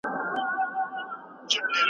دوی د نورو خلګو اذیت او ضرر ته نه ګوري.